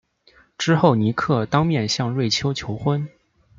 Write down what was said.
之后尼克当面向瑞秋求婚。